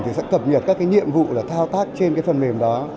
thì sẽ cập nhật các cái nhiệm vụ là thao tác trên cái phần mềm đó